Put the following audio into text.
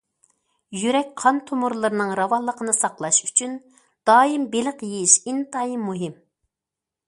يۈرەك قان تومۇرلىرىنىڭ راۋانلىقىنى ساقلاش ئۈچۈن، دائىم بېلىق يېيىش ئىنتايىن مۇھىم.